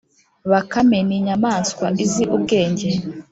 bakame ni inyamaswa izi ubwenge